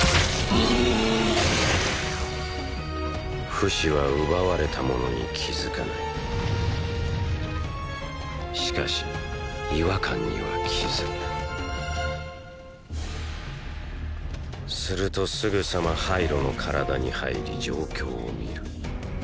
フシは奪われたものに気づかないしかし違和感には気づくするとすぐさまハイロの体に入り状況を見る。